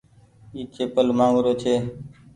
اي چيپل مآنگ رو ڇي۔